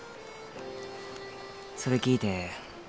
それ聞いて